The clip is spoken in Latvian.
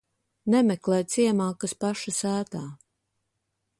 Nemeklē ciemā, kas paša sētā.